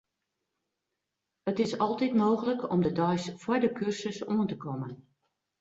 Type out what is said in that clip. It is altyd mooglik om de deis foar de kursus oan te kommen.